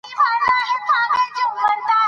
د ظرف توری او د ځای په مانا دئ.